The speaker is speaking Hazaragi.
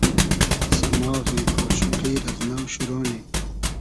سئماغی آشوقی رئز نۆ شورۉ نی